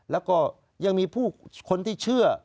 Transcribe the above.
แล้วก็ยังมีผู้คนที่เชื่อ